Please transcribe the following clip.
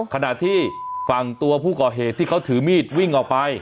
ขณะที่ฝั่งตัวผู้ก่อเหตุที่เขาถือมีดวิ่งออกไป